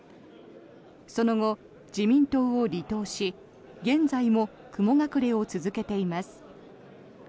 その後、自民党を離党し現在も雲隠れを続けています。